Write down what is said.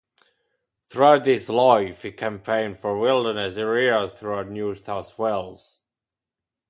Throughout his life he campaigned for wilderness areas throughout New South Wales.